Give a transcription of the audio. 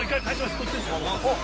こっちです。